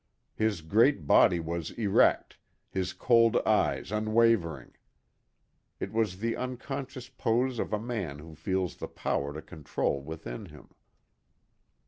His great body was erect, his cold eyes unwavering. It was the unconscious pose of a man who feels the power to control within him.